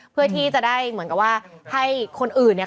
เพื่อที่จะได้เหมือนกับว่าให้คนอื่นเนี่ย